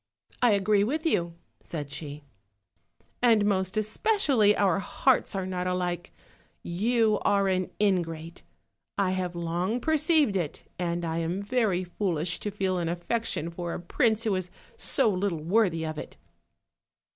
"I agree with you," said she; "and most especially our hearts are not alike. You are an ingrate; I have long perceived it, and I am very foolish to feel an affection for a prince who is so little worthy of it."